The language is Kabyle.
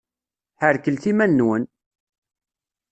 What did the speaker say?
Ḥreklet iman-nwen!